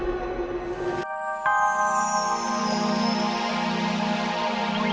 ya tapi dia sudah berubah